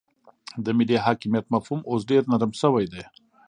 د ملي حاکمیت مفهوم اوس ډیر نرم شوی دی